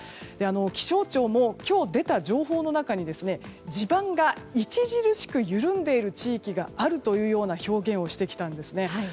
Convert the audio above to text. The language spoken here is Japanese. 気象庁も今日、出た情報の中に地盤が著しく緩んでいる地域があるというような表現をしてきたんですね。